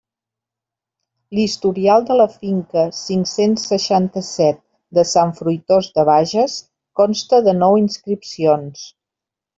L'historial de la finca cinc-cents seixanta-set de Sant Fruitós de Bages consta de nou inscripcions.